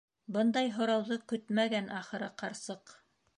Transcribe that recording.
Бындай һорауҙы көтмәгән ахыры ҡарсыҡ.